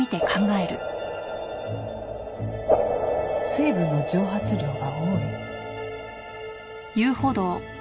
「水分の蒸発量が多い」？